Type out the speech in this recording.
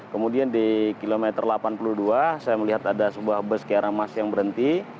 kemudian di kilometer delapan puluh dua saya melihat ada sebuah bus kiara emas yang berhenti